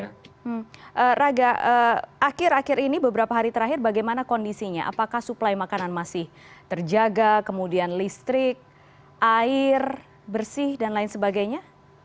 raga akhir akhir ini beberapa hari terakhir bagaimana kondisinya apakah suplai makanan masih terjaga kemudian listrik air bersih dan lain sebagainya